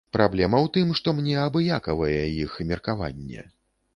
Праблема ў тым, што мне абыякавае іх меркаванне.